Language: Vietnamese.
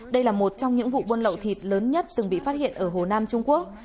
đây là một trong những vụ buôn lậu thịt lớn nhất từng bị phát hiện ở hồ nam trung quốc